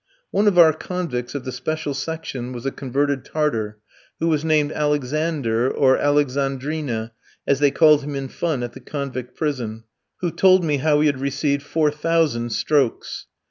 One of our convicts of the special section was a converted Tartar, who was named Alexander, or Alexandrina, as they called him in fun at the convict prison; who told me how he had received 4,000 strokes.